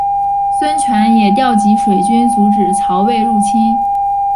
孙权也调集水军阻止曹魏入侵。